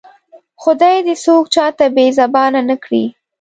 خدای دې څوک چاته بې زبانه نه کړي